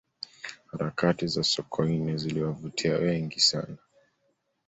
harakati za sokoine ziliwavutia wengi sana